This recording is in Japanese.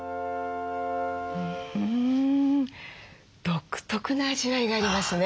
独特な味わいがありますね。